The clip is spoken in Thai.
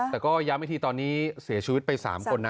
แต่ก็ย้ำอีกทีตอนนี้เสียชีวิตไป๓คนนะ